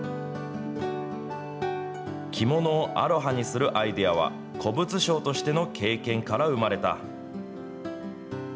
着物をアロハにするアイデアは、古物商としての経験から生まれた。